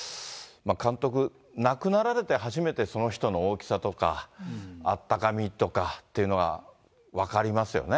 監督、亡くなられて初めてその人の大きさとか、あったかみとかっていうのは分かりますよね。